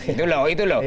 itu loh itu loh